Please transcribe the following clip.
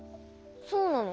そうなの？